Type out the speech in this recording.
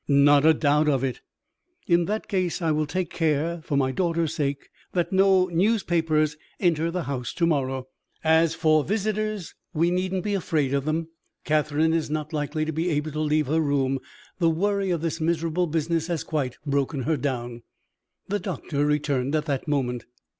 "Not a doubt of it." "In that case I will take care (for my daughter's sake) that no newspapers enter the house to morrow. As for visitors, we needn't be afraid of them. Catherine is not likely to be able to leave her room; the worry of this miserable business has quite broken her down." The doctor returned at that moment.